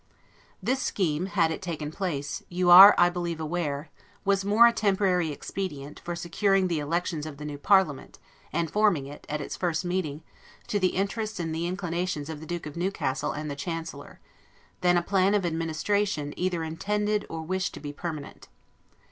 This scheme, had it taken place, you are, I believe aware, was more a temporary expedient, for securing the elections of the new parliament, and forming it, at its first meeting, to the interests and the inclinations of the Duke of Newcastle and the Chancellor, than a plan of administration either intended or wished to be permanent.